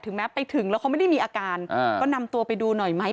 แม้ไปถึงแล้วเขาไม่ได้มีอาการก็นำตัวไปดูหน่อยไหม